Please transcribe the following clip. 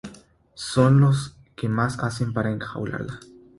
son los que más hacen para enjaularla